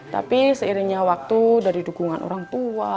tapi seiringnya waktu dari dukungan orang tua